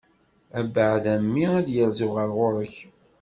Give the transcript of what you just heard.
Abɛaḍ a mmi ad d-yerzu ɣer ɣur-k.